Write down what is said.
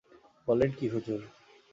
বলেন কী হুজুর!